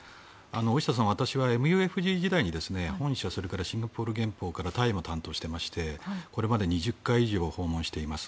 大下さん、私はＭＵＦＧ時代にシンガポールやタイを担当していましてこれまで２０回以上訪問しています。